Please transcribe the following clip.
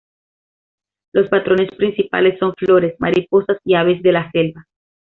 Los patrones principales son flores, mariposas y aves de la selva.